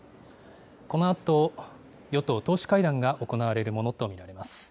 このあと、与党党首会談が行われるものと見られます。